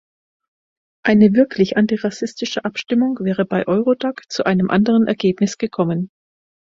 Eine wirklich antirassistische Abstimmung wäre bei Eurodac zu einem anderen Ergebnis gekommen.